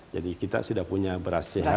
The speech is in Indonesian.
jadi kita sudah punya beras sehat